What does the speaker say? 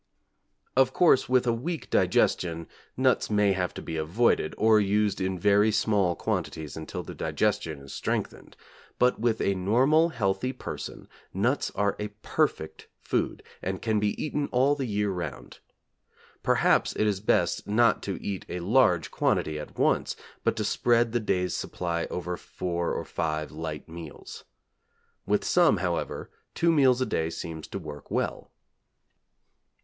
Of course with a weak digestion nuts may have to be avoided, or used in very small quantities until the digestion is strengthened; but with a normal, healthy person, nuts are a perfect food and can be eaten all the year round. Perhaps it is best not to eat a large quantity at once, but to spread the day's supply over four or five light meals. With some, however, two meals a day seems to work well.